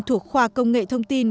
thuộc khoa công nghệ thông tin